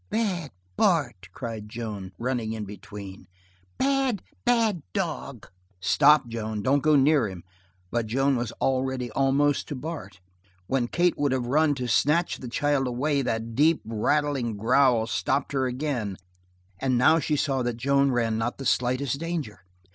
"Bad Bart!" cried Joan, running in between. "Bad, bad dog!" "Stop, Joan! Don't go near him!" But Joan was already almost to Bart. When Kate would have run to snatch the child away that deep, rattling growl stopped her again, and now she saw that Joan ran not the slightest danger.